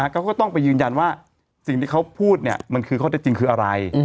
เขาก็ต้องไปยืนยันว่าสิ่งที่เขาพูดมันคือข้อเท็จจริงคืออะไร